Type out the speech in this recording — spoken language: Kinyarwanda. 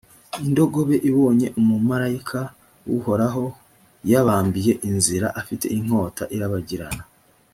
indogobe ibonye umumalayika w’uhoraho yabambiye inzira, afite inkota irabagirana.